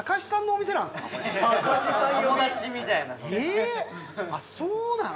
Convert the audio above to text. えーっあっそうなの？